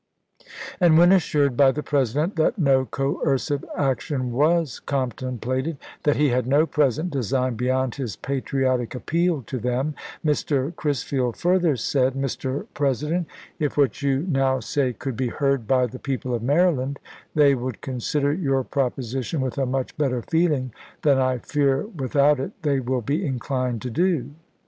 And when assured by the President that no coercive action was contemplated, that he had no present design beyond his patriotic appeal to them, Mr. Crisfield further said: "Mr. Presi dent, if what you now say could be heard by the people of Maryland, they would consider your proposition with a much better feeling than I fear without it they will be inclined to do."